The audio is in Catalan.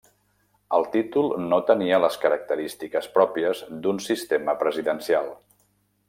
El títol no tenia les característiques pròpies d'un sistema presidencial.